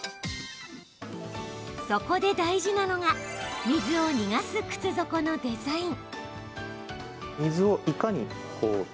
そこで大事なのが水を逃がす靴底のデザイン。